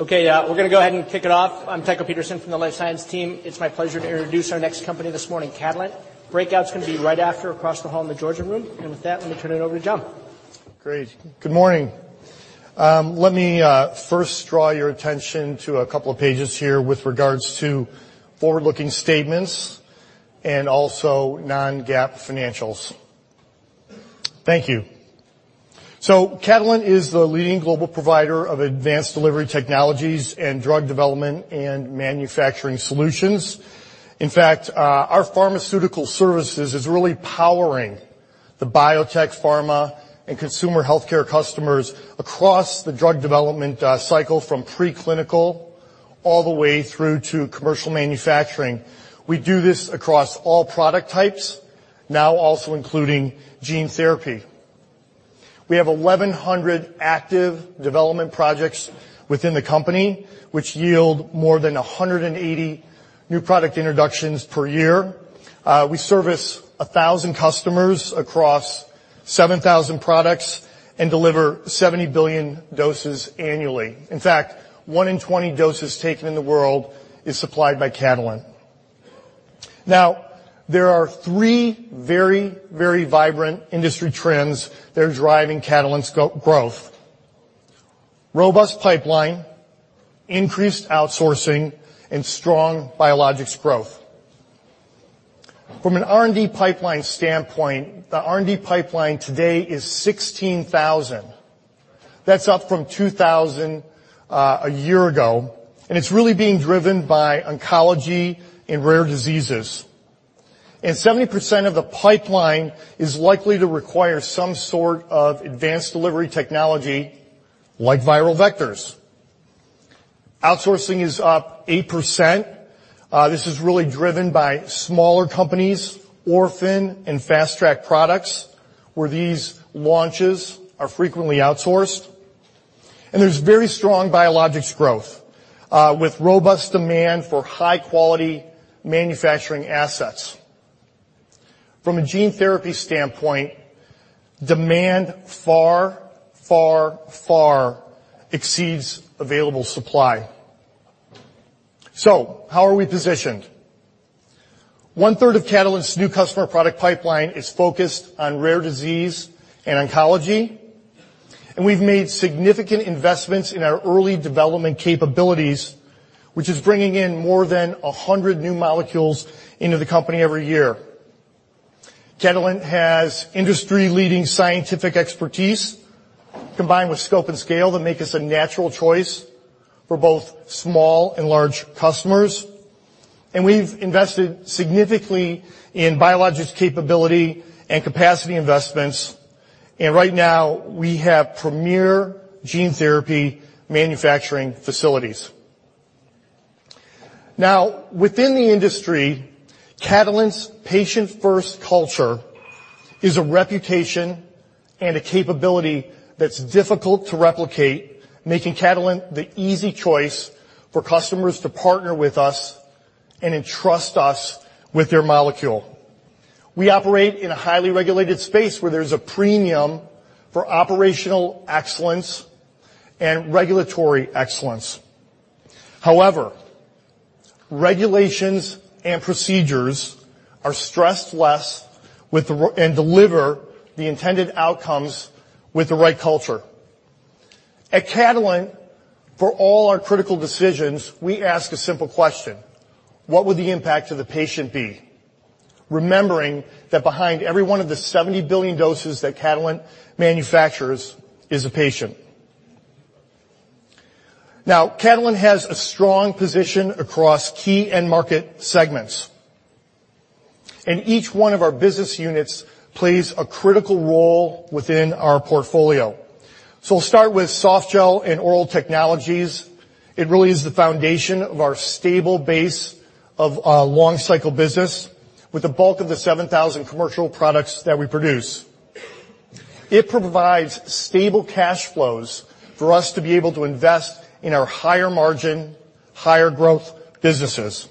Okay, we're going to go ahead and kick it off. I'm Tycho Peterson from the Life Science team. It's my pleasure to introduce our next company this morning, Catalent. Breakout's going to be right after across the hall in the Georgian Room, and with that, let me turn it over to John. Great. Good morning. Let me first draw your attention to a couple of pages here with regards to forward-looking statements and also non-GAAP financials. Thank you. So Catalent is the leading global provider of advanced delivery technologies and drug development and manufacturing solutions. In fact, our pharmaceutical services are really powering the biotech, pharma, and consumer healthcare customers across the drug development cycle from preclinical all the way through to commercial manufacturing. We do this across all product types, now also including gene therapy. We have 1,100 active development projects within the company, which yield more than 180 new product introductions per year. We service 1,000 customers across 7,000 products and deliver 70 billion doses annually. In fact, one in 20 doses taken in the world is supplied by Catalent. Now, there are three very, very vibrant industry trends that are driving Catalent's growth: robust pipeline, increased outsourcing, and strong biologics growth. From an R&D pipeline standpoint, the R&D pipeline today is 16,000. That's up from 2,000 a year ago, and it's really being driven by oncology and rare diseases, and 70% of the pipeline is likely to require some sort of advanced delivery technology like viral vectors. Outsourcing is up 8%. This is really driven by smaller companies, Orphan and Fast Track products, where these launches are frequently outsourced, and there's very strong biologics growth with robust demand for high-quality manufacturing assets. From a gene therapy standpoint, demand far, far, far exceeds available supply, so how are we positioned? One-third of Catalent's new customer product pipeline is focused on rare disease and oncology. And we've made significant investments in our early development capabilities, which is bringing in more than 100 new molecules into the company every year. Catalent has industry-leading scientific expertise combined with scope and scale that make us a natural choice for both small and large customers. And we've invested significantly in biologics capability and capacity investments. And right now, we have premier gene therapy manufacturing facilities. Now, within the industry, Catalent's patient-first culture is a reputation and a capability that's difficult to replicate, making Catalent the easy choice for customers to partner with us and entrust us with their molecule. We operate in a highly regulated space where there's a premium for operational excellence and regulatory excellence. However, regulations and procedures are stressed less and deliver the intended outcomes with the right culture. At Catalent, for all our critical decisions, we ask a simple question: What would the impact of the patient be? Remembering that behind every one of the 70 billion doses that Catalent manufactures is a patient. Now, Catalent has a strong position across key end market segments, and each one of our business units plays a critical role within our portfolio, so we'll start with Softgel and Oral Technologies. It really is the foundation of our stable base of long-cycle business with the bulk of the 7,000 commercial products that we produce. It provides stable cash flows for us to be able to invest in our higher margin, higher growth businesses.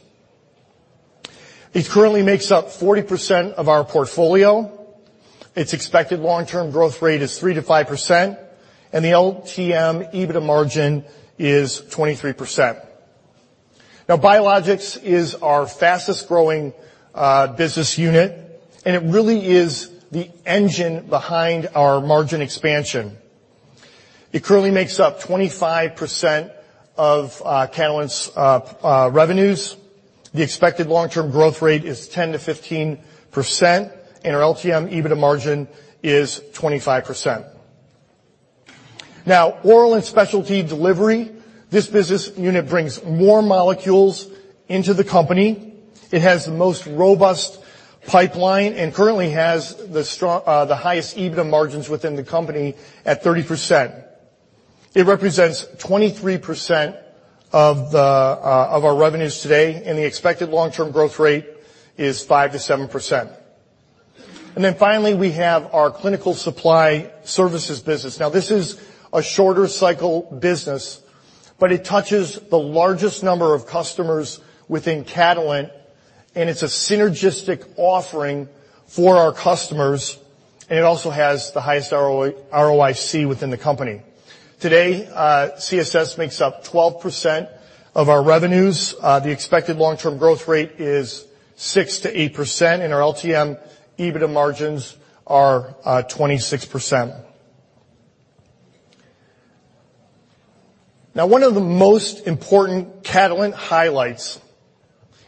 It currently makes up 40% of our portfolio. Its expected long-term growth rate is 3%-5%, and the LTM EBITDA margin is 23%. Now, Biologics is our fastest-growing business unit. It really is the engine behind our margin expansion. It currently makes up 25% of Catalent's revenues. The expected long-term growth rate is 10%-15%. Our LTM EBITDA margin is 25%. Now, Oral and Specialty Delivery, this business unit brings more molecules into the company. It has the most robust pipeline and currently has the highest EBITDA margins within the company at 30%. It represents 23% of our revenues today. The expected long-term growth rate is 5%-7%. Then finally, we have our Clinical Supply Services business. Now, this is a shorter-cycle business, but it touches the largest number of customers within Catalent. It's a synergistic offering for our customers. It also has the highest ROIC within the company. Today, CSS makes up 12% of our revenues. The expected long-term growth rate is 6%-8%. And our LTM EBITDA margins are 26%. Now, one of the most important Catalent highlights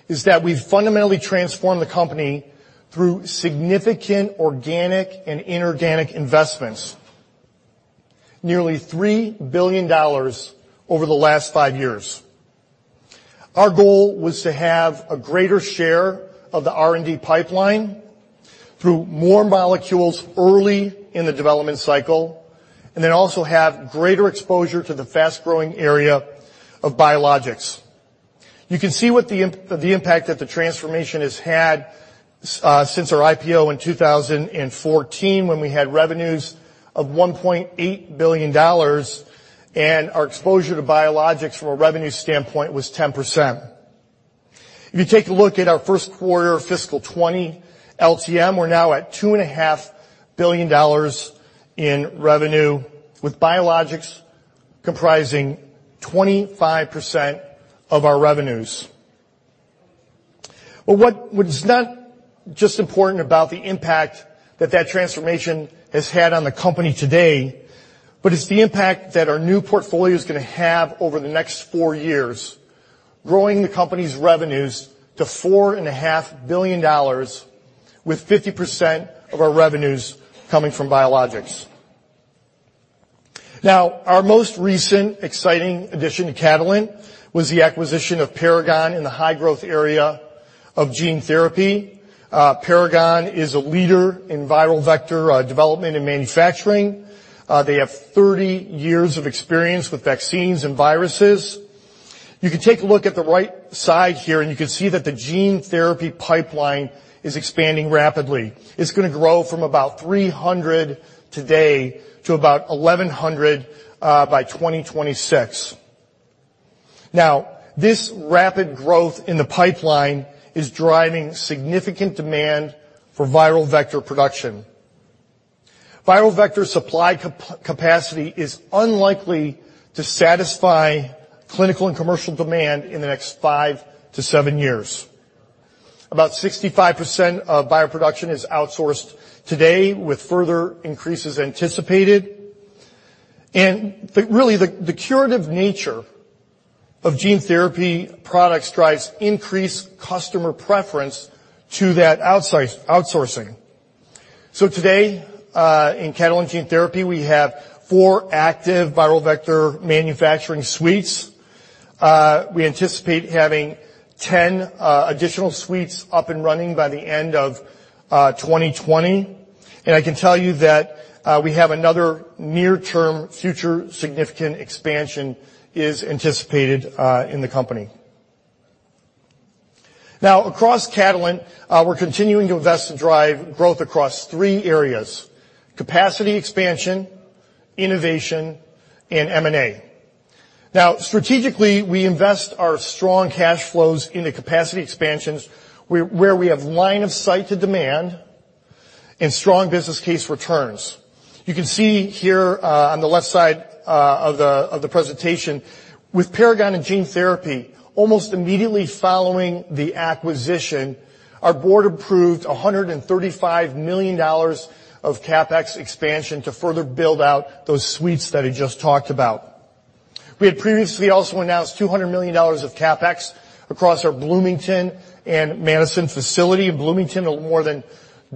is that we've fundamentally transformed the company through significant organic and inorganic investments, nearly $3 billion over the last five years. Our goal was to have a greater share of the R&D pipeline through more molecules early in the development cycle and then also have greater exposure to the fast-growing area of biologics. You can see what the impact that the transformation has had since our IPO in 2014 when we had revenues of $1.8 billion. And our exposure to biologics from a revenue standpoint was 10%. If you take a look at our first quarter of fiscal 2020 LTM, we're now at $2.5 billion in revenue with biologics comprising 25% of our revenues. But what's not just important about the impact that that transformation has had on the company today, but it's the impact that our new portfolio is going to have over the next four years, growing the company's revenues to $4.5 billion with 50% of our revenues coming from biologics. Now, our most recent exciting addition to Catalent was the acquisition of Paragon in the high-growth area of gene therapy. Paragon is a leader in viral vector development and manufacturing. They have 30 years of experience with vaccines and viruses. You can take a look at the right side here, and you can see that the gene therapy pipeline is expanding rapidly. It's going to grow from about 300 today to about 1,100 by 2026. Now, this rapid growth in the pipeline is driving significant demand for viral vector production. Viral vector supply capacity is unlikely to satisfy clinical and commercial demand in the next five to seven years. About 65% of bioproduction is outsourced today with further increases anticipated. And really, the curative nature of gene therapy products drives increased customer preference to that outsourcing. So today, in Catalent Gene Therapy, we have four active viral vector manufacturing suites. We anticipate having 10 additional suites up and running by the end of 2020. And I can tell you that we have another near-term future significant expansion that is anticipated in the company. Now, across Catalent, we're continuing to invest and drive growth across three areas: capacity expansion, innovation, and M&A. Now, strategically, we invest our strong cash flows into capacity expansions where we have line-of-sight to demand and strong business case returns. You can see here on the left side of the presentation, with Paragon and Gene Therapy, almost immediately following the acquisition, our board approved $135 million of CapEx expansion to further build out those suites that I just talked about. We had previously also announced $200 million of CapEx across our Bloomington and Madison facility. Bloomington will more than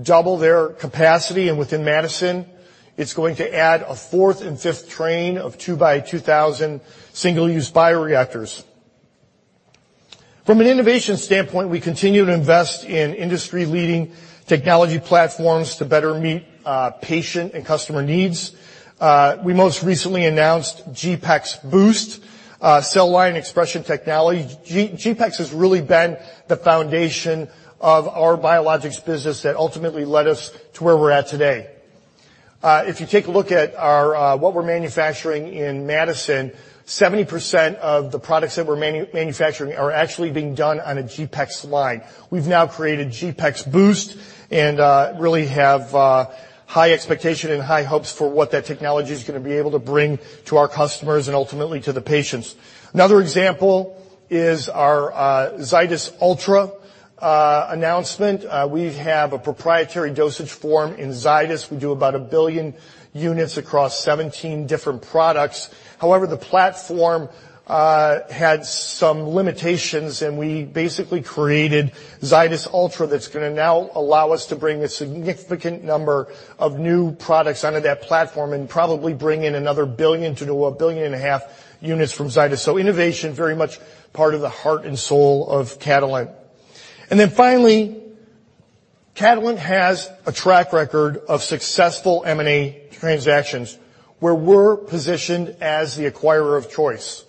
double their capacity, and within Madison, it's going to add a fourth and fifth train of 2x2,000 single-use bioreactors. From an innovation standpoint, we continue to invest in industry-leading technology platforms to better meet patient and customer needs. We most recently announced GPEx Boost, cell line expression technology. GPEx has really been the foundation of our biologics business that ultimately led us to where we're at today. If you take a look at what we're manufacturing in Madison, 70% of the products that we're manufacturing are actually being done on a GPEx line. We've now created GPEx Boost and really have high expectations and high hopes for what that technology is going to be able to bring to our customers and ultimately to the patients. Another example is our Zydis Ultra announcement. We have a proprietary dosage form in Zydis. We do about a billion units across 17 different products. However, the platform had some limitations, and we basically created Zydis Ultra that's going to now allow us to bring a significant number of new products onto that platform and probably bring in another billion to a billion and a half units from Zydis, so innovation is very much part of the heart and soul of Catalent. And then finally, Catalent has a track record of successful M&A transactions where we're positioned as the acquirer of choice.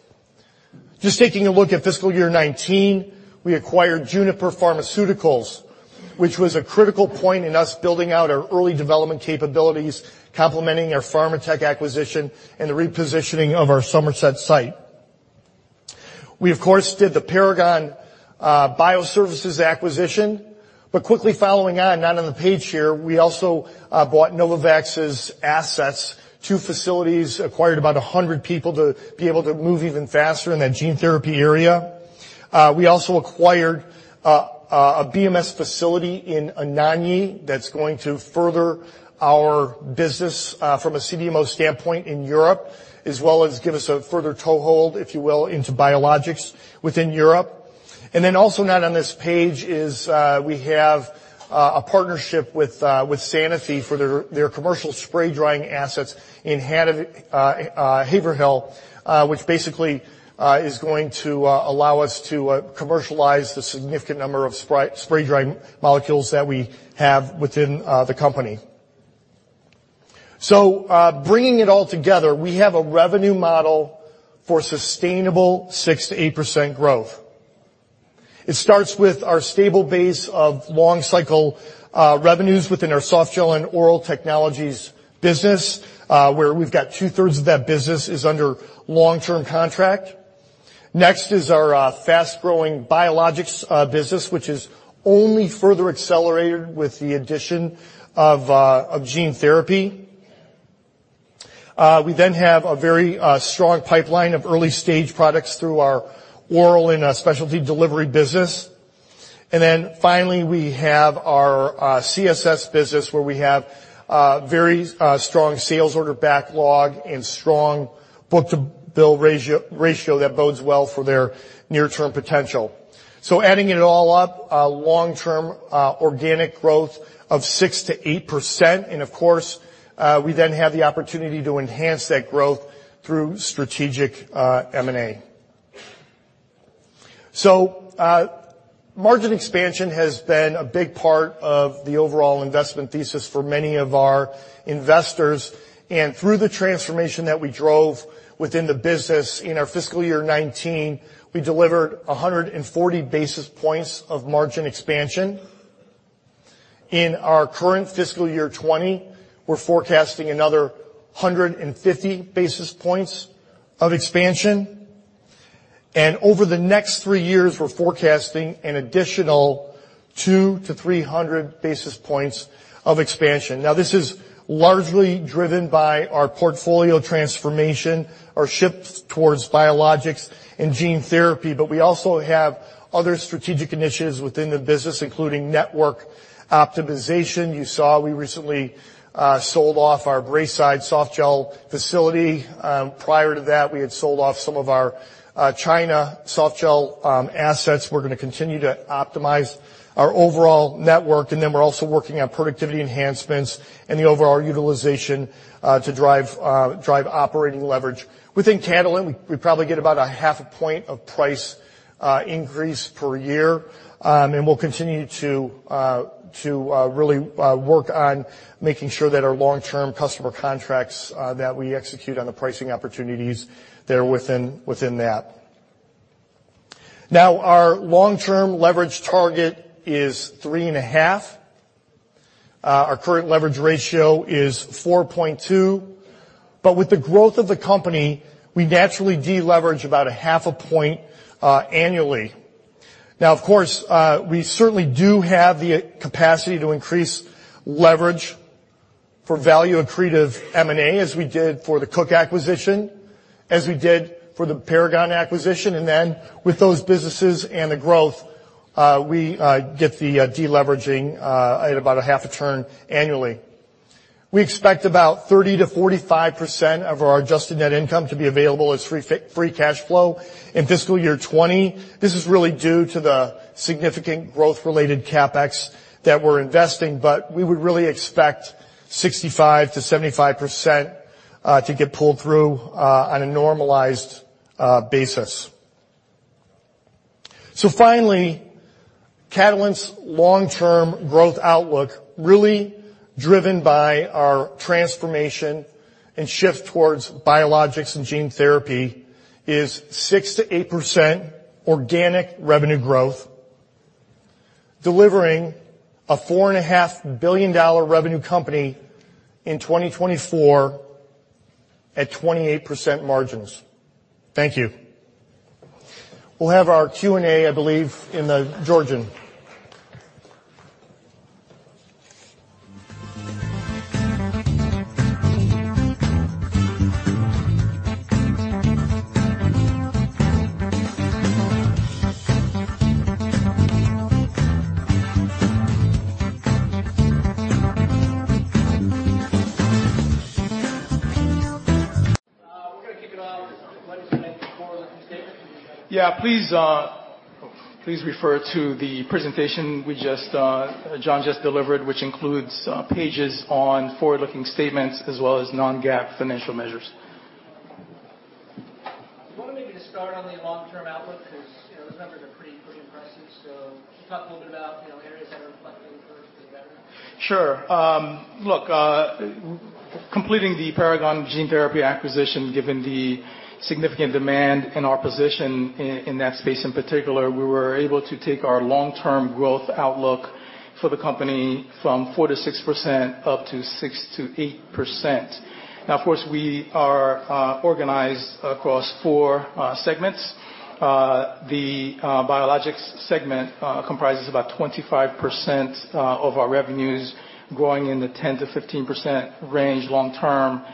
Just taking a look at fiscal year 2019, we acquired Juniper Pharmaceuticals, which was a critical point in us building out our early development capabilities, complementing our Pharmatek acquisition and the repositioning of our Somerset site. We, of course, did the Paragon Bioservices acquisition. But quickly following on, not on the page here, we also bought Novavax's assets, two facilities, acquired about 100 people to be able to move even faster in that gene therapy area. We also acquired a BMS facility in Anagni that's going to further our business from a CDMO standpoint in Europe, as well as give us a further toehold, if you will, into biologics within Europe. And then also not on this page is we have a partnership with Sanofi for their commercial spray drying assets in Haverhill, which basically is going to allow us to commercialize the significant number of spray drying molecules that we have within the company. Bringing it all together, we have a revenue model for sustainable 6%-8% growth. It starts with our stable base of long-cycle revenues within our Softgel and Oral Technologies business, where we've got two-thirds of that business is under long-term contract. Next is our fast-growing biologics business, which is only further accelerated with the addition of gene therapy. We then have a very strong pipeline of early-stage products through our oral and specialty delivery business. Finally, we have our CSS business, where we have very strong sales order backlog and strong book-to-bill ratio that bodes well for their near-term potential. Adding it all up, long-term organic growth of 6%-8%. Of course, we then have the opportunity to enhance that growth through strategic M&A. Margin expansion has been a big part of the overall investment thesis for many of our investors. Through the transformation that we drove within the business in our fiscal year 2019, we delivered 140 basis points of margin expansion. In our current fiscal year 2020, we're forecasting another 150 basis points of expansion. Over the next three years, we're forecasting an additional 2-300 basis points of expansion. Now, this is largely driven by our portfolio transformation, our shift towards biologics and gene therapy. We also have other strategic initiatives within the business, including network optimization. You saw we recently sold off our Braeside softgel facility. Prior to that, we had sold off some of our China softgel assets. We're going to continue to optimize our overall network, and then we're also working on productivity enhancements and the overall utilization to drive operating leverage. Within Catalent, we probably get about half a point of price increase per year, and we'll continue to really work on making sure that our long-term customer contracts that we execute on the pricing opportunities there within that. Now, our long-term leverage target is 3.5. Our current leverage ratio is 4.2, but with the growth of the company, we naturally deleverage about 0.5 point annually. Now, of course, we certainly do have the capacity to increase leverage for value-accretive M&A, as we did for the Cook acquisition, as we did for the Paragon acquisition. And then with those businesses and the growth, we get the deleveraging at about a half turn annually. We expect about 30%-45% of our adjusted net income to be available as free cash flow in fiscal year 2020. This is really due to the significant growth-related CapEx that we're investing. But we would really expect 65%-75% to get pulled through on a normalized basis. Catalent's long-term growth outlook, really driven by our transformation and shift towards biologics and gene therapy, is 6%-8% organic revenue growth, delivering a $4.5 billion revenue company in 2024 at 28% margins. Thank you. We'll have our Q&A, I believe, in the Georgian. We're going to kick it off. Let me just make a forward-looking statement. Yeah. Please refer to the presentation John just delivered, which includes pages on forward-looking statements as well as non-GAAP financial measures. Do you want to maybe just start on the long-term outlook? Because those numbers are pretty impressive. So talk a little bit about areas that are inflecting for the better. Sure. Look, completing the Paragon Gene Therapy acquisition, given the significant demand in our position in that space in particular, we were able to take our long-term growth outlook for the company from 4-6% up to 6-8%. Now, of course, we are organized across four segments. The biologics segment comprises about 25% of our revenues, growing in the 10-15% range long-term.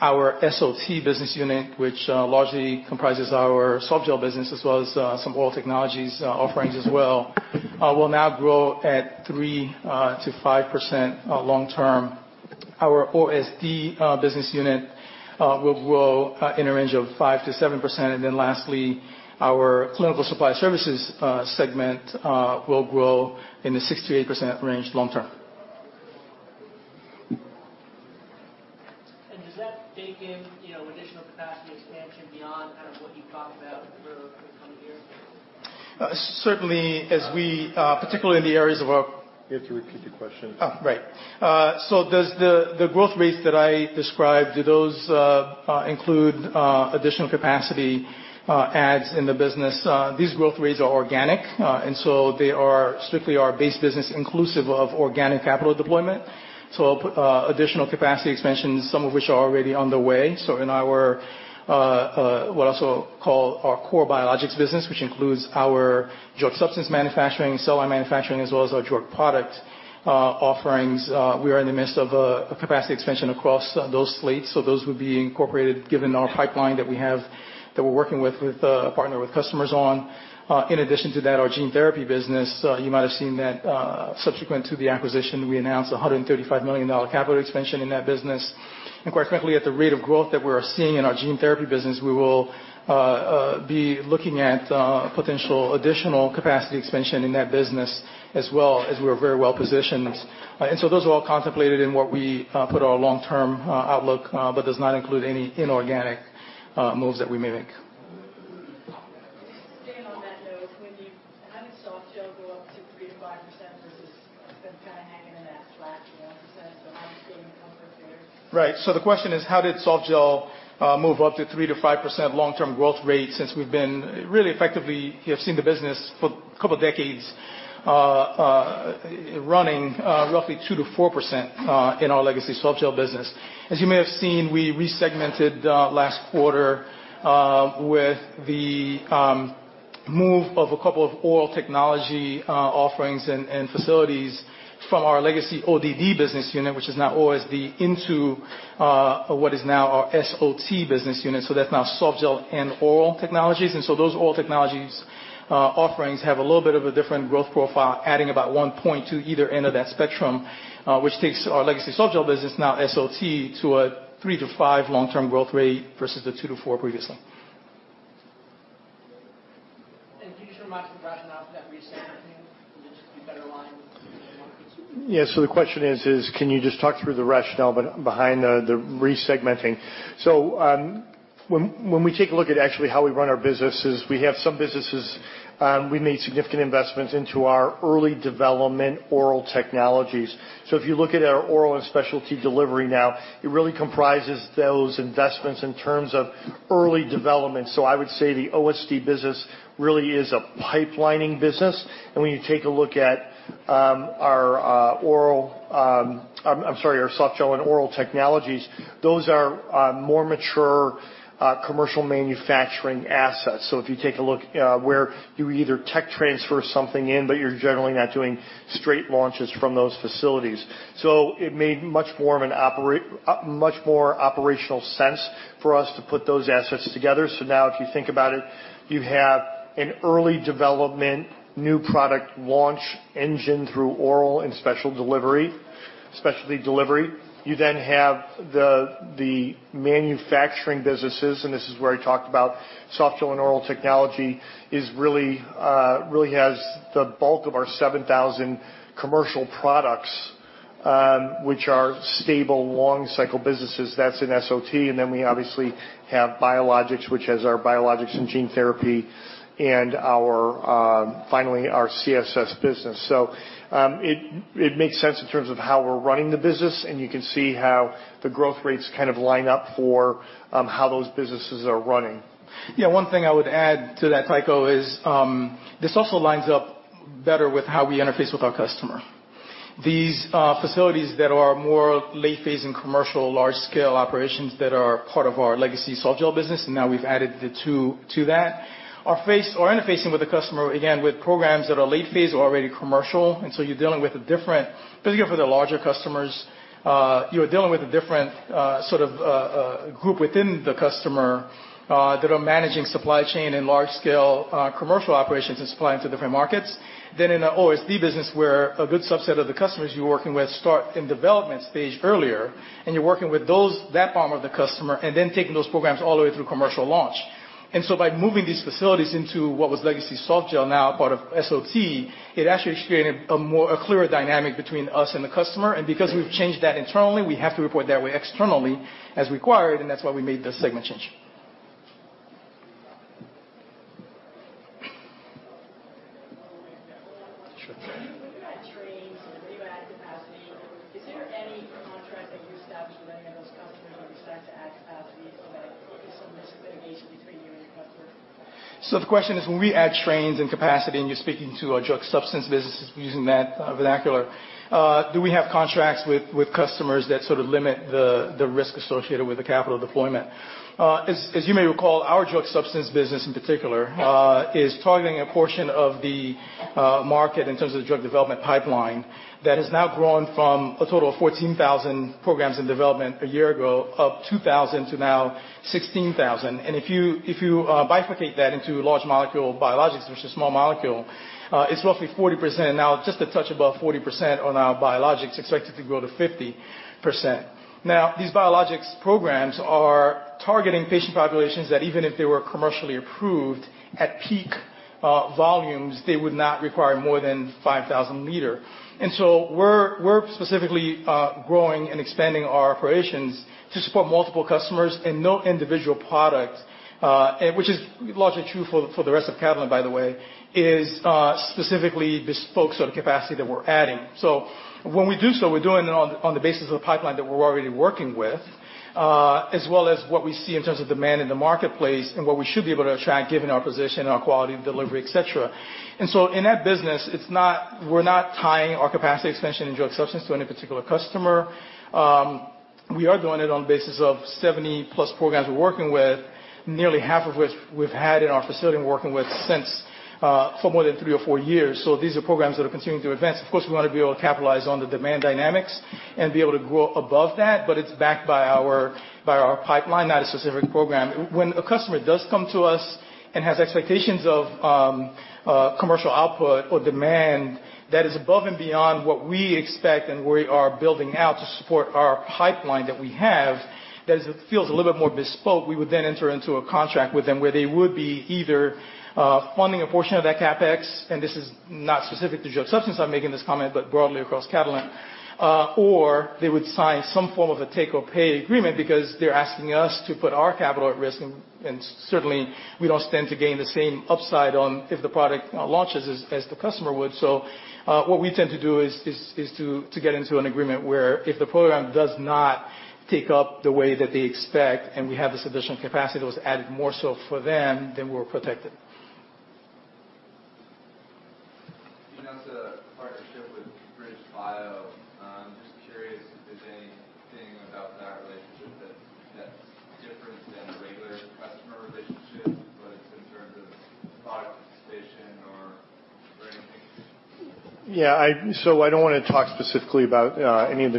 Our SOT business unit, which largely comprises our softgel business as well as some oral technologies offerings as well, will now grow at 3-5% long-term. Our OSD business unit will grow in a range of 5-7%. And then lastly, our clinical supply services segment will grow in the 6%-8% range long-term. And does that take in additional capacity expansion beyond kind of what you've talked about for the coming years? Certainly, as we particularly in the areas of our—you have to repeat the question. Oh, right. So the growth rates that I described, do those include additional capacity adds in the business? These growth rates are organic. And so they are strictly our base business, inclusive of organic capital deployment. So additional capacity expansions, some of which are already on the way. So in our what I also call our core biologics business, which includes our drug substance manufacturing, cell line manufacturing, as well as our drug product offerings, we are in the midst of a capacity expansion across those sites. Those would be incorporated, given our pipeline that we have that we're working with, with a partner with customers on. In addition to that, our gene therapy business, you might have seen that subsequent to the acquisition, we announced a $135 million capital expansion in that business. And quite frankly, at the rate of growth that we're seeing in our gene therapy business, we will be looking at potential additional capacity expansion in that business, as well as we're very well positioned. And so those are all contemplated in what we put our long-term outlook, but does not include any inorganic moves that we may make. Just staying on that note, when you have the softgel go up to 3%-5% versus it's been kind of hanging in that flat 1%, so how do you feel the comfort there? Right. The question is, how did softgel move up to 3%-5% long-term growth rate since we've been really effectively—you have seen the business for a couple of decades running roughly 2%-4% in our legacy softgel business? As you may have seen, we resegmented last quarter with the move of a couple of oral technology offerings and facilities from our legacy ODD business unit, which is now OSD, into what is now our SOT business unit. That's now Softgel and Oral Technologies. And so those oral technologies offerings have a little bit of a different growth profile, adding about 1.2 either end of that spectrum, which takes our legacy softgel business, now SOT, to a 3%-5% long-term growth rate versus the 2%-4% previously. And can you just remind us of the rationale for that resegmenting? Will it just be better aligned? Yeah. So the question is, can you just talk through the rationale behind the resegmenting? So when we take a look at actually how we run our businesses, we have some businesses we made significant investments into our early development oral technologies. So if you look at our oral and specialty delivery now, it really comprises those investments in terms of early development. So I would say the OSD business really is a pipelining business. And when you take a look at our oral, I'm sorry, our Softgel and Oral Technologies, those are more mature commercial manufacturing assets. So if you take a look where you either tech transfer something in, but you're generally not doing straight launches from those facilities. So it made much more of an operational sense for us to put those assets together. So now, if you think about it, you have an early development new product launch engine through oral and specialty delivery. You then have the manufacturing businesses, and this is where I talked about softgel and oral technology really has the bulk of our 7,000 commercial products, which are stable long-cycle businesses. That's in SOT. And then we obviously have biologics, which has our biologics and gene therapy and finally our CSS business. So it makes sense in terms of how we're running the business. And you can see how the growth rates kind of line up for how those businesses are running. Yeah. One thing I would add to that, Tycho, is this also lines up better with how we interface with our customer. These facilities that are more late-phase and commercial large-scale operations that are part of our legacy softgel business, and now we've added the two to that, are interfacing with the customer, again, with programs that are late-phase or already commercial. And so you're dealing with a different, specifically for the larger customers, you're dealing with a different sort of group within the customer that are managing supply chain and large-scale commercial operations and supplying to different markets. Then in an OSD business where a good subset of the customers you're working with start in development stage earlier, and you're working with that arm of the customer and then taking those programs all the way through commercial launch. And so by moving these facilities into what was legacy softgel, now part of SOT, it actually created a clearer dynamic between us and the customer. And because we've changed that internally, we have to report that way externally as required. And that's why we made the segment change. do we have contracts with customers that sort of limit the risk associated with the capital deployment? As you may recall, our drug substance business, in particular, is targeting a portion of the market in terms of the drug development pipeline that has now grown from a total of 14,000 programs in development a year ago up 2,000 to now 16,000. And if you bifurcate that into large molecule biologics versus small molecule, it's roughly 40%. Now, just a touch above 40% are now biologics, expected to grow to 50%. Now, these biologics programs are targeting patient populations that, even if they were commercially approved at peak volumes, they would not require more than 5,000 liters. And so we're specifically growing and expanding our operations to support multiple customers and no individual product, which is largely true for the rest of Catalent, by the way, is specifically bespoke sort of capacity that we're adding. So when we do so, we're doing it on the basis of the pipeline that we're already working with, as well as what we see in terms of demand in the marketplace and what we should be able to attract given our position and our quality of delivery, etc. In that business, we're not tying our capacity expansion and drug substance to any particular customer. We are doing it on the basis of 70-plus programs we're working with, nearly half of which we've had in our facility and working with for more than three or four years. These are programs that are continuing to advance. Of course, we want to be able to capitalize on the demand dynamics and be able to grow above that. It's backed by our pipeline, not a specific program. When a customer does come to us and has expectations of commercial output or demand that is above and beyond what we expect and we are building out to support our pipeline that we have, that feels a little bit more bespoke, we would then enter into a contract with them where they would be either funding a portion of that CapEx. And this is not specific to drug substance. I'm making this comment, but broadly across Catalent. Or they would sign some form of a take-or-pay agreement because they're asking us to put our capital at risk. And certainly, we don't stand to gain the same upside on if the product launches as the customer would. So what we tend to do is to get into an agreement where if the program does not take up the way that they expect and we have this additional capacity that was added more so for them, then we're protected. You announced a partnership with BridgeBio. I'm just curious if there's anything about that relationship that's different than a regular customer relationship, whether it's in terms of product participation or anything? Yeah. So I don't want to talk specifically about any of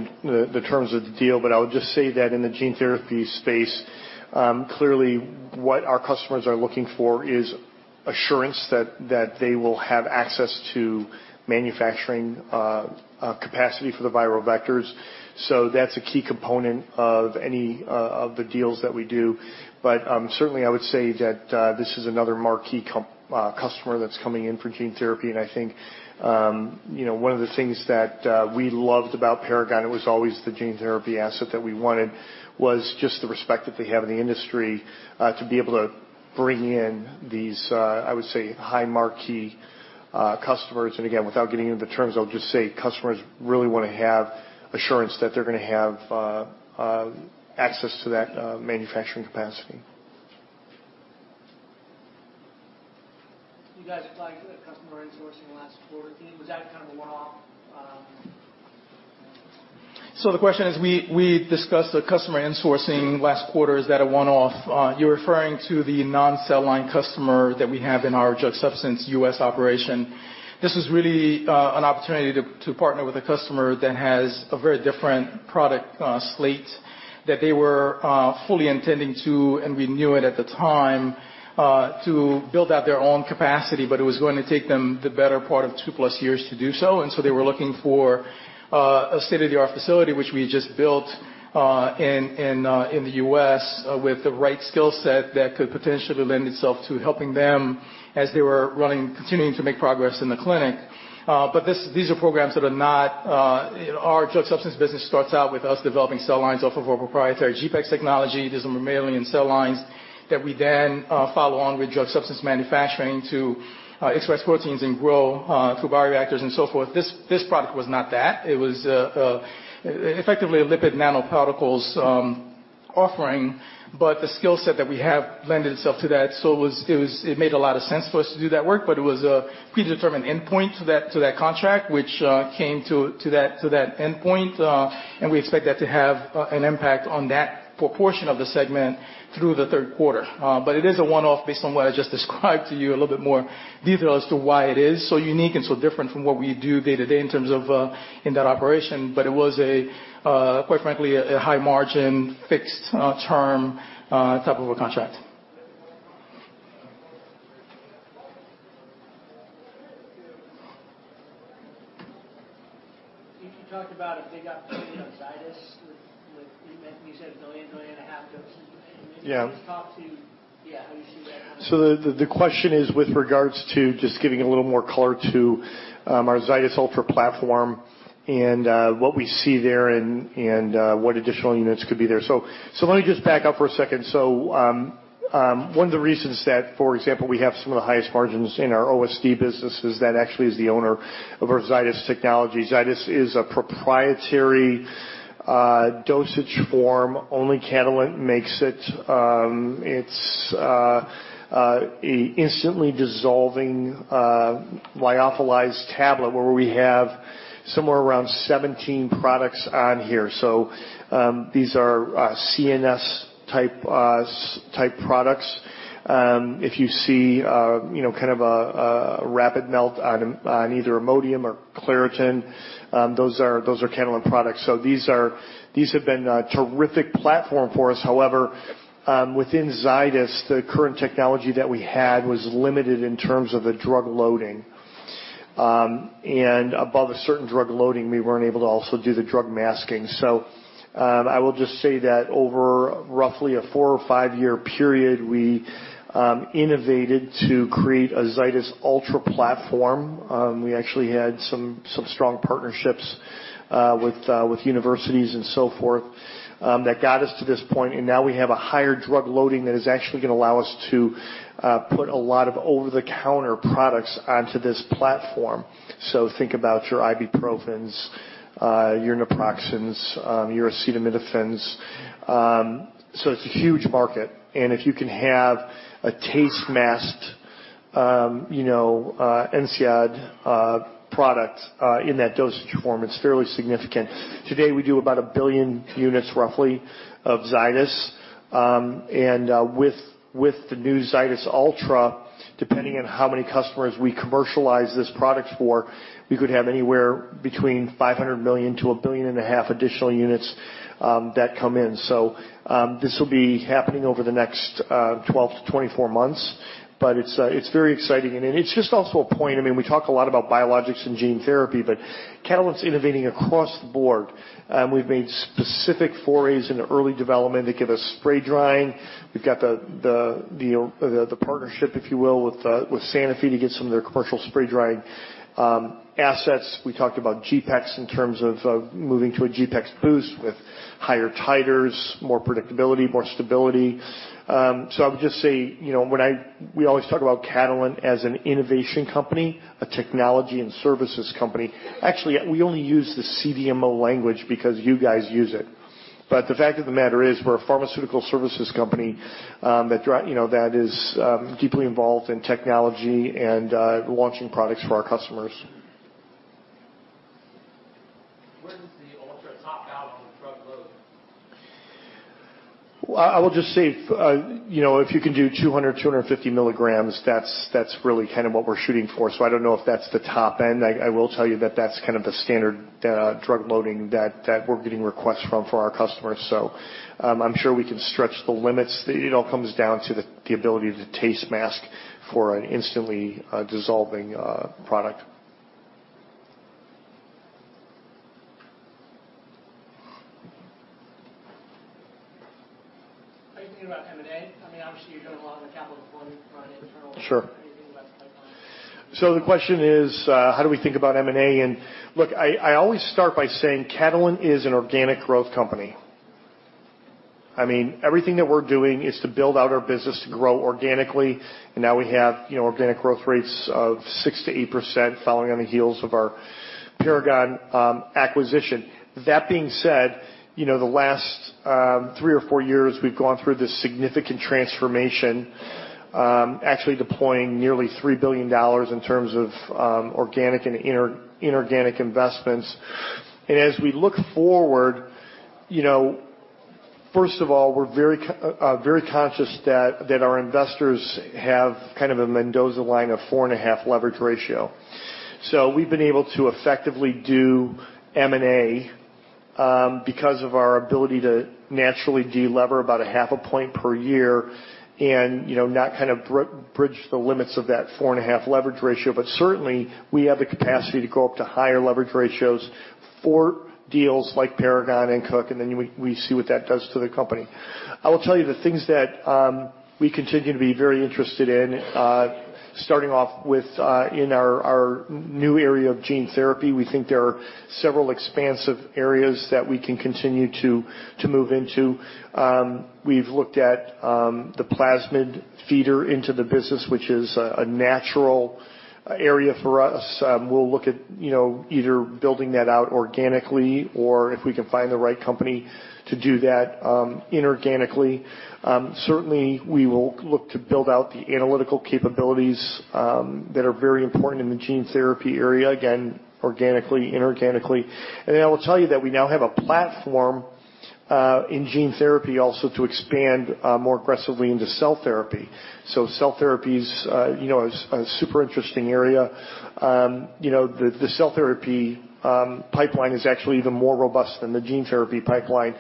the terms of the deal, but I would just say that in the gene therapy space, clearly, what our customers are looking for is assurance that they will have access to manufacturing capacity for the viral vectors. So that's a key component of any of the deals that we do. But certainly, I would say that this is another marquee customer that's coming in for gene therapy. I think one of the things that we loved about Paragon, it was always the gene therapy asset that we wanted, was just the respect that they have in the industry to be able to bring in these, I would say, high marquee customers. Again, without getting into the terms, I'll just say customers really want to have assurance that they're going to have access to that manufacturing capacity. You guys alluded to the customer in-sourcing last quarter. Was that kind of a one-off? So the question is, we discussed the customer in-sourcing last quarter. Is that a one-off? You're referring to the non-cell line customer that we have in our drug substance U.S. operation. This was really an opportunity to partner with a customer that has a very different product slate that they were fully intending to, and we knew it at the time, to build out their own capacity. But it was going to take them the better part of two-plus years to do so. And so they were looking for a state-of-the-art facility, which we had just built in the U.S. with the right skill set that could potentially lend itself to helping them as they were continuing to make progress in the clinic. But these are programs that are not our drug substance business starts out with us developing cell lines off of our proprietary GPEx technology. There's a mammalian cell lines that we then follow on with drug substance manufacturing to express proteins and grow through bioreactors and so forth. This product was not that. It was effectively a lipid nanoparticles offering, but the skill set that we have lent itself to that. So it made a lot of sense for us to do that work. But it was a predetermined endpoint to that contract, which came to that endpoint. And we expect that to have an impact on that portion of the segment through the third quarter. But it is a one-off based on what I just described to you, a little bit more detail as to why it is so unique and so different from what we do day-to-day in terms of in that operation. But it was, quite frankly, a high-margin fixed-term type of a contract. You talked about a big update on Zydis. You said a million, million and a half doses. Can you just talk to, yeah, how you see that? The question is, with regards to just giving a little more color to our Zydis Ultra platform and what we see there and what additional units could be there. Let me just back up for a second. One of the reasons that, for example, we have some of the highest margins in our OSD business is that we actually own our Zydis Technologies. Zydis is a proprietary dosage form. Only Catalent makes it. It's an instantly dissolving lyophilized tablet where we have somewhere around 17 products on here. These are CNS-type products. If you see kind of a rapid melt on either Imodium or Claritin, those are Catalent products. These have been a terrific platform for us. However, within Zydis, the current technology that we had was limited in terms of the drug loading. Above a certain drug loading, we weren't able to also do the drug masking. I will just say that over roughly a four or five-year period, we innovated to create a Zydis Ultra platform. We actually had some strong partnerships with universities and so forth that got us to this point. Now we have a higher drug loading that is actually going to allow us to put a lot of over-the-counter products onto this platform. Think about your ibuprofens, your naproxens, your acetaminophens. It's a huge market. If you can have a taste-masked NSAID product in that dosage form, it's fairly significant. Today, we do about a billion units, roughly, of Zydis. With the new Zydis Ultra, depending on how many customers we commercialize this product for, we could have anywhere between 500 million to 1.5 billion additional units that come in. So this will be happening over the next 12 to 24 months. But it's very exciting. It's just also a point. I mean, we talk a lot about biologics and gene therapy, but Catalent's innovating across the board. We've made specific forays in early development that give us spray drying. We've got the partnership, if you will, with Sanofi to get some of their commercial spray drying assets. We talked about GPEx in terms of moving to a GPEx Boost with higher titers, more predictability, more stability. So I would just say we always talk about Catalent as an innovation company, a technology and services company. Actually, we only use the CDMO language because you guys use it. But the fact of the matter is we're a pharmaceutical services company that is deeply involved in technology and launching products for our customers. Where does the Ultra top out on the drug load? I will just say if you can do 200-250 milligrams, that's really kind of what we're shooting for. So I don't know if that's the top end. I will tell you that that's kind of the standard drug loading that we're getting requests from for our customers. So I'm sure we can stretch the limits. It all comes down to the ability to taste mask for an instantly dissolving product. How do you think about M&A? I mean, obviously, you're doing a lot of the capital deployment for an internal company. So the question is, how do we think about M&A? Look, I always start by saying Catalent is an organic growth company. I mean, everything that we're doing is to build out our business to grow organically. Now we have organic growth rates of 6%-8% following on the heels of our Paragon acquisition. That being said, the last three or four years, we've gone through this significant transformation, actually deploying nearly $3 billion in terms of organic and inorganic investments. As we look forward, first of all, we're very conscious that our investors have kind of a Mendoza line of four and a half leverage ratio. So we've been able to effectively do M&A because of our ability to naturally delever about a half a point per year and not kind of bridge the limits of that four and a half leverage ratio. But certainly, we have the capacity to go up to higher leverage ratios for deals like Paragon and Cook, and then we see what that does to the company. I will tell you the things that we continue to be very interested in, starting off with in our new area of gene therapy. We think there are several expansive areas that we can continue to move into. We've looked at the plasmid feeder into the business, which is a natural area for us. We'll look at either building that out organically or if we can find the right company to do that inorganically. Certainly, we will look to build out the analytical capabilities that are very important in the gene therapy area, again, organically, inorganically. And then I will tell you that we now have a platform in gene therapy also to expand more aggressively into cell therapy. Cell therapy is a super interesting area. The cell therapy pipeline is actually even more robust than the gene therapy pipeline.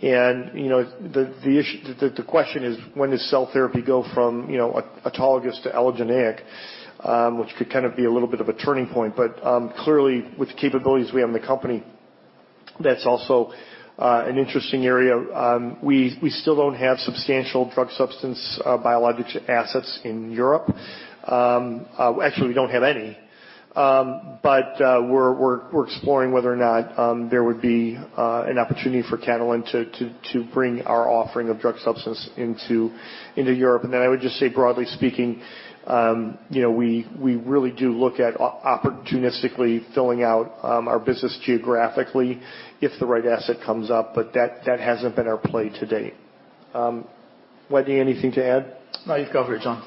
The question is, when does cell therapy go from autologous to allogeneic, which could kind of be a little bit of a turning point? Clearly, with the capabilities we have in the company, that's also an interesting area. We still don't have substantial drug substance biologics assets in Europe. Actually, we don't have any. We're exploring whether or not there would be an opportunity for Catalent to bring our offering of drug substance into Europe, then I would just say, broadly speaking, we really do look at opportunistically filling out our business geographically if the right asset comes up. That hasn't been our play to date. Wetteny, anything to add? No, you've covered it, John.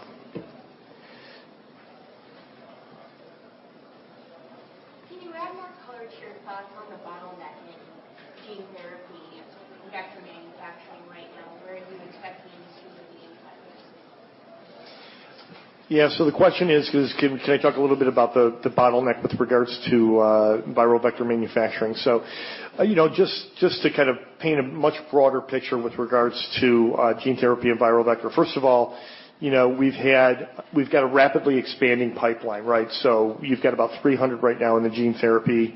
Can you add more color to your thoughts on the bottleneck in gene therapy, vector manufacturing right now? Where are you expecting to see the gene therapy? Yeah. So the question is, can I talk a little bit about the bottleneck with regards to viral vector manufacturing? So just to kind of paint a much broader picture with regards to gene therapy and viral vector, first of all, we've got a rapidly expanding pipeline, right? So you've got about 300 right now in the gene therapy.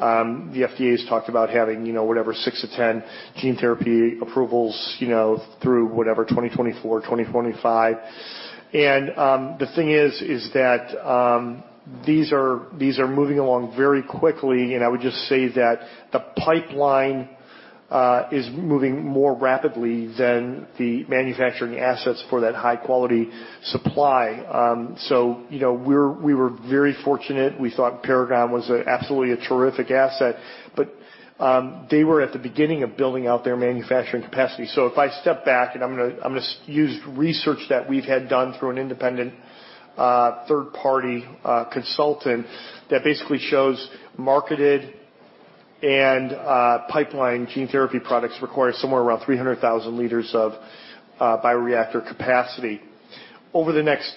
The FDA has talked about having whatever 6-10 gene therapy approvals through whatever 2024, 2025. And the thing is that these are moving along very quickly. And I would just say that the pipeline is moving more rapidly than the manufacturing assets for that high-quality supply. So we were very fortunate. We thought Paragon was absolutely a terrific asset. But they were at the beginning of building out their manufacturing capacity. So if I step back, and I'm going to use research that we've had done through an independent third-party consultant that basically shows marketed and pipeline gene therapy products require somewhere around 300,000 liters of bioreactor capacity. Over the next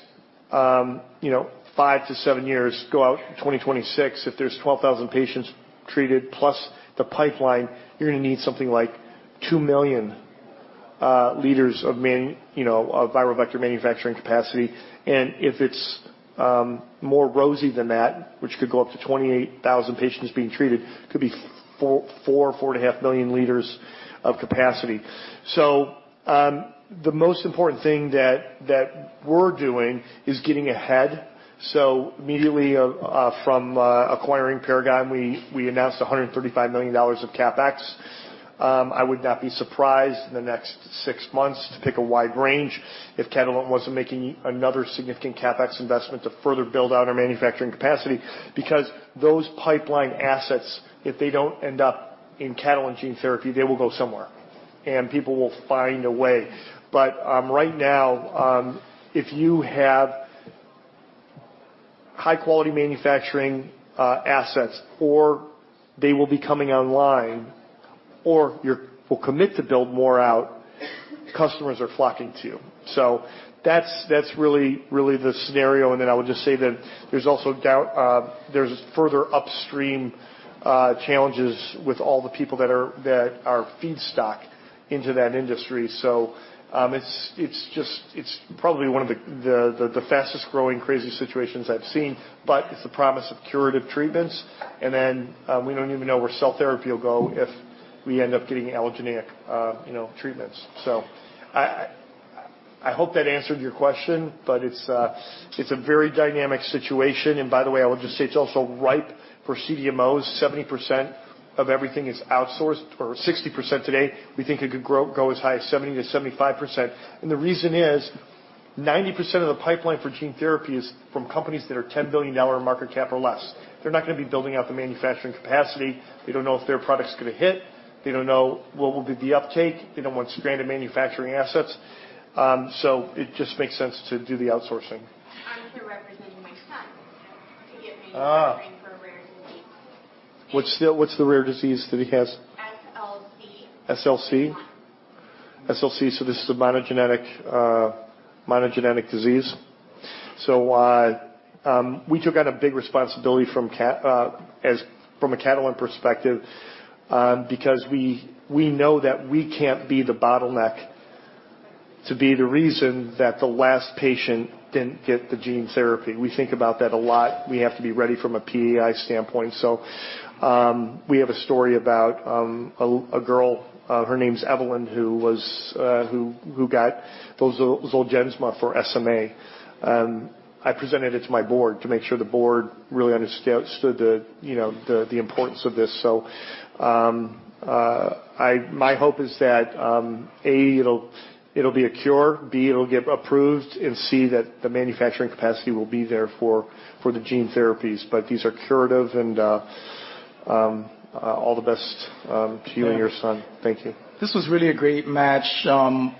five to seven years, go out 2026, if there's 12,000 patients treated plus the pipeline, you're going to need something like 2 million liters of viral vector manufacturing capacity. And if it's more rosy than that, which could go up to 28,000 patients being treated, could be 4-4.5 million liters of capacity. So the most important thing that we're doing is getting ahead. So immediately from acquiring Paragon, we announced $135 million of CapEx. I would not be surprised in the next six months to pick a wide range if Catalent wasn't making another significant CapEx investment to further build out our manufacturing capacity because those pipeline assets, if they don't end up in Catalent gene therapy, they will go somewhere, and people will find a way. But right now, if you have high-quality manufacturing assets or they will be coming online or you will commit to build more out, customers are flocking to you, so that's really the scenario, and then I would just say that there's also further upstream challenges with all the people that are feedstock into that industry, so it's probably one of the fastest growing crazy situations I've seen, but it's the promise of curative treatments, and then we don't even know where cell therapy will go if we end up getting allogeneic treatments. So I hope that answered your question, but it's a very dynamic situation. And by the way, I will just say it's also ripe for CDMOs. 70% of everything is outsourced or 60% today. We think it could go as high as 70%-75%. And the reason is 90% of the pipeline for gene therapy is from companies that are $10 billion market cap or less. They're not going to be building out the manufacturing capacity. They don't know if their product's going to hit. They don't know what will be the uptake. They don't want stranded manufacturing assets. So it just makes sense to do the outsourcing. I'm here representing my son to get manufacturing for a rare disease. What's the rare disease that he has? SLC. SLC? SLC. So this is a monogenic disease. So we took on a big responsibility from a Catalent perspective because we know that we can't be the bottleneck to be the reason that the last patient didn't get the gene therapy. We think about that a lot. We have to be ready from a PEI standpoint. So we have a story about a girl. Her name's Evelyn, who got those Zolgensma for SMA. I presented it to my board to make sure the board really understood the importance of this. So my hope is that, A, it'll be a cure, B, it'll get approved, and C, that the manufacturing capacity will be there for the gene therapies. But these are curative. And all the best to you and your son. Thank you. This was really a great match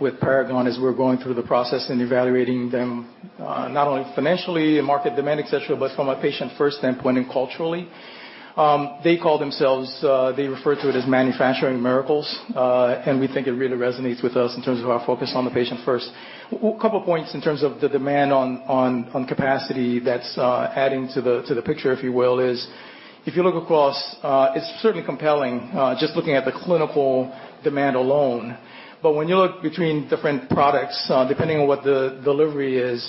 with Paragon as we're going through the process and evaluating them not only financially and market demand, etc., but from a patient-first standpoint and culturally. They refer to it as manufacturing miracles, and we think it really resonates with us in terms of our focus on the patient-first. A couple of points in terms of the demand on capacity that's adding to the picture, if you will, is if you look across, it's certainly compelling just looking at the clinical demand alone. But when you look between different products, depending on what the delivery is,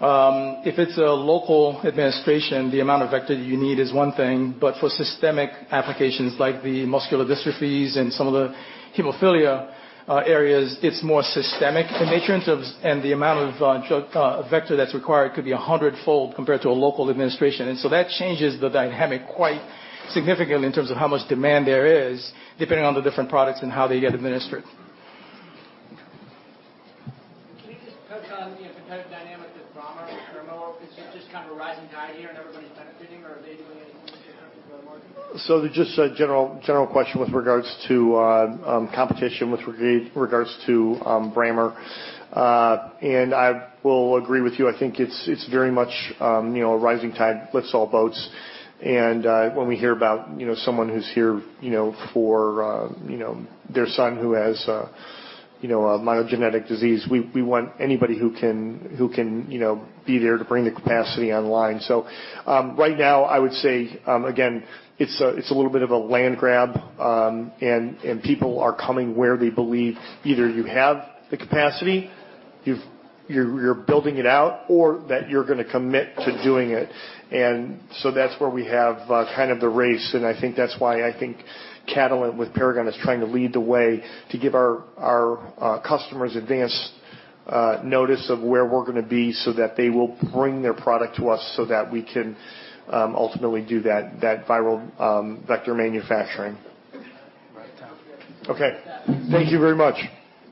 if it's a local administration, the amount of vector you need is one thing. But for systemic applications like the muscular dystrophies and some of the hemophilia areas, it's more systemic in nature. The amount of vector that's required could be a hundredfold compared to a local administration. That changes the dynamic quite significantly in terms of how much demand there is depending on the different products and how they get administered. Can we just touch on the competitive dynamic with Brammer? Is it just kind of a rising tide here and everybody's benefiting, or are they doing anything different for the market? Just a general question with regards to competition with regards to Brammer. I will agree with you. I think it's very much a rising tide. Lifts all boats. When we hear about someone who's here for their son who has a monogenic disease, we want anybody who can be there to bring the capacity online. Right now, I would say, again, it's a little bit of a land grab. And people are coming where they believe either you have the capacity, you're building it out, or that you're going to commit to doing it. And so that's where we have kind of the race. And I think that's why I think Catalent with Paragon is trying to lead the way to give our customers advance notice of where we're going to be so that they will bring their product to us so that we can ultimately do that viral vector manufacturing. Okay. Thank you very much.